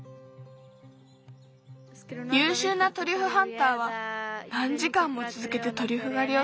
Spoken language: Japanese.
ゆうしゅうなトリュフハンターはなんじかんもつづけてトリュフがりをすることがある。